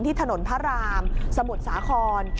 ที่ถนนพระรามสมุดสาคร